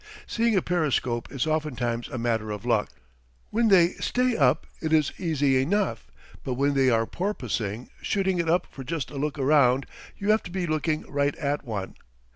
Seeing a periscope is oftentimes a matter of luck. When they stay up it is easy enough, but when they are porpoising, shooting it up for just a look around, you have to be looking right at one.